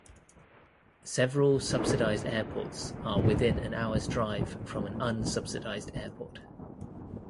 Several subsidized airports are within an hour's drive from an unsubsidized airport.